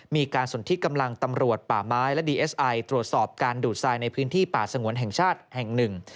มีการสนที่กำลังตำรวจป่าไม้และดีเอสไอตรวจสอบการดูดทรายในพื้นที่ป่าสงวนแห่งชาติแห่งหนึ่ง